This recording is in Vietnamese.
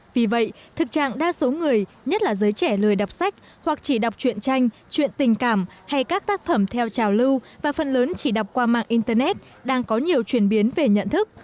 vì vậy thực trạng đa số người nhất là giới trẻ lười đọc sách hoặc chỉ đọc chuyện tranh chuyện tình cảm hay các tác phẩm theo trào lưu và phần lớn chỉ đọc qua mạng internet đang có nhiều chuyển biến về nhận thức